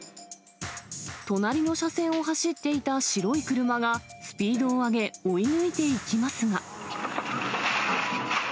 隣の車線を走っていた白い車が、スピードを上げ追い抜いていきますが。